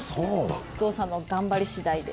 お父さんの頑張り次第で。